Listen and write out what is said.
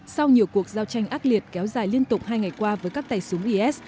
sau nhiều cuộc giao tranh ác liệt kéo dài liên tục hai ngày qua với các tay súng is